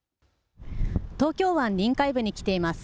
東京湾臨海部に来ています。